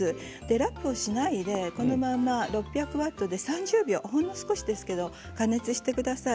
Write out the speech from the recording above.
ラップをしないで、このまま６００ワットで３０秒ほんの少しですけれども加熱してください。